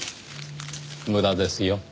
無駄ですよ。